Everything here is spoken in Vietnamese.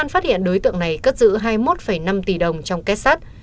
hiện đối tượng này cất giữ hai mươi một năm tỷ đồng trong kết sát